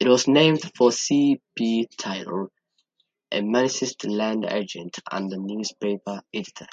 It was named for C. B. Tyler, a Minnesota land agent and newspaper editor.